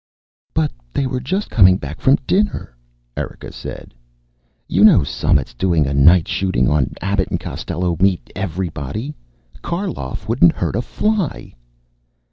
"But they were just coming back from dinner," Erika said. "You know Summit's doing night shooting on Abbott and Costello Meet Everybody. Karloff wouldn't hurt a fly."